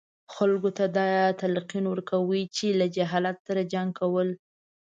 خلکو ته دا تلقین ورکوي چې له جهالت سره جنګ کول.